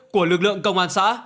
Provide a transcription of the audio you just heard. của lực lượng công an xã